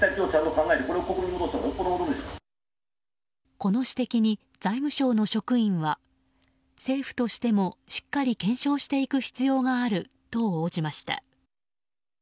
この指摘に財務省の職員は政府としてもしっかり検証していく必要があると応じました。